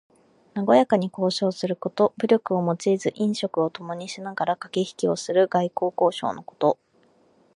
なごやかに交渉すること。武力を用いず飲食をともにしながらかけひきをする外交交渉のこと。